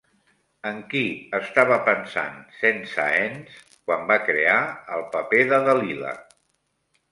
En qui estava pensant Saint-Saëns quan va crear el paper de Dalila?